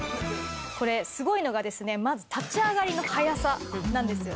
これすごいのがですねまず立ち上がりの早さなんですよね。